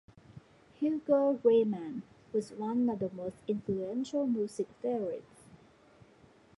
Hugo. Riemann was one of the most influential music theorists.